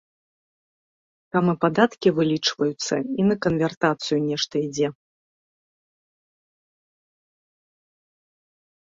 Там і падаткі вылічваюцца, і на канвертацыю нешта ідзе.